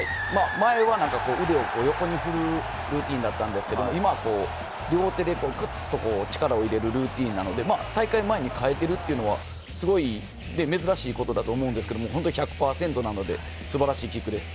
前は腕を横に振るルーティンだったんですけれど今は両手でぐっと力を入れるルーティンなので、大会前に変えているというのは珍しいことだと思うんですけれど１００％なので素晴らしいキックです。